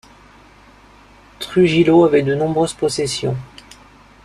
Trujillo avait de nombreuses possessions.